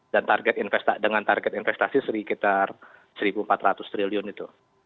dan dengan target investasi sekitar rp satu empat ratus triliun itu